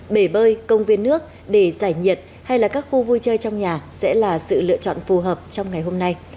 bể bơi công viên nước để giải nhiệt hay là các khu vui chơi trong nhà sẽ là sự lựa chọn phù hợp trong ngày hôm nay